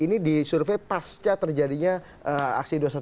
ini disurvey pasca terjadinya aksi dua ratus dua belas